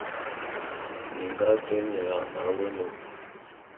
Minga ate nnye a nga wôé nnôm.